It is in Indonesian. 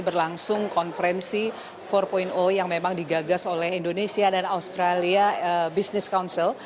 berlangsung konferensi empat yang memang digagas oleh indonesia dan australia business council